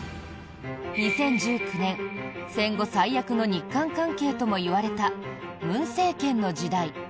２０１９年戦後最悪の日韓関係ともいわれた文政権の時代。